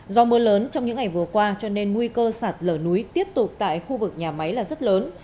do mưa lớn trong những ngày vừa qua cho nên nguy cơ sạt lở núi tiếp tục tại khu vực nhà máy là rất lớn